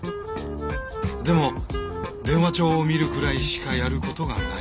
でも電話帳を見るくらいしかやることがない。